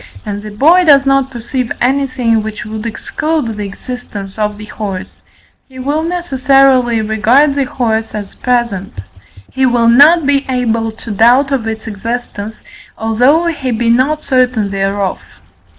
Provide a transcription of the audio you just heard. and the boy does not perceive anything which would exclude the existence of the horse, he will necessarily regard the horse as present: he will not be able to doubt of its existence, although he be not certain thereof.